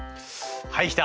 はいきた！